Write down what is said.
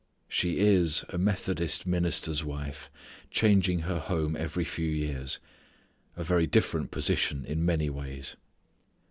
She is a Methodist minister's wife changing her home every few years. A very different position in many ways.